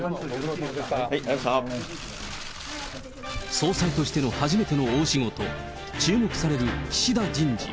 総裁としての初めての大仕事、注目される岸田人事。